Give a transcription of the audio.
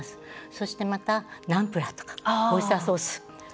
そしてまたナンプラーとかオイスターソース。